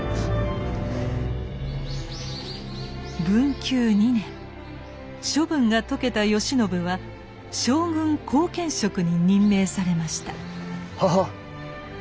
文久２年処分が解けた慶喜は将軍後見職に任命されました。